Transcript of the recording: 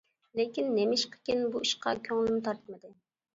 لېكىن نېمىشقىكىن بۇ ئىشقا كۆڭلۈم تارتمىدى.